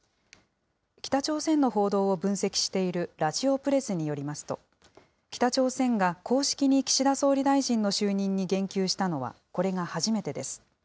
北朝鮮の報道を分析しているラヂオプレスによりますと、北朝鮮が公式に岸田総理大臣の就任に言及したのはこれが初めてです。